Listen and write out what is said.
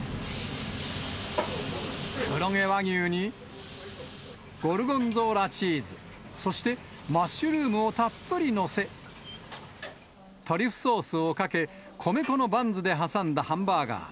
黒毛和牛にゴルゴンゾーラチーズ、そしてマッシュルームをたっぷり載せ、トリュフソースをかけ、米粉のバンズで挟んだハンバーガー。